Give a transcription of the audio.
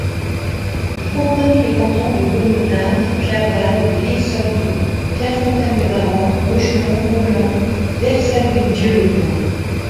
Il comprenait les cantons de Baume-les-Dames, Clerval, l'Isle-sur-le-Doubs, Pierrefontaine-les-Varans, Rougemont, Roulans, Vercel-Villedieu-le-Camp.